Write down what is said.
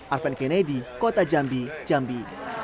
arven kennedy kota jambi jambi